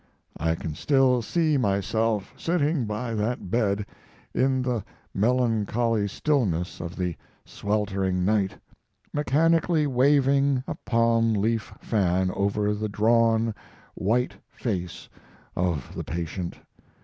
I can still see myself sitting by that bed in the melancholy stillness of the sweltering night, mechanically waving a palm leaf fan over the drawn, white face of the patient.